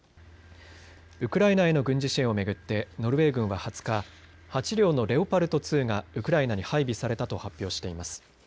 ウクライナへの軍事支援を巡ってノルウェー軍は２０日、８両のレオパルト２がウクライナに配備されたと発表しています。